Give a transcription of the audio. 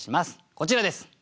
こちらです。